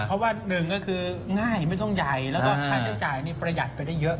เพราะว่าหนึ่งก็คือง่ายไม่ต้องใหญ่แล้วก็ค่าใช้จ่ายนี่ประหยัดไปได้เยอะ